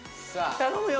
頼むよ